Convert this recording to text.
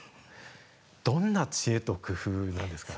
どんな知恵と工夫なんですか？